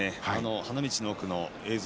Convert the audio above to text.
花道の奥の映像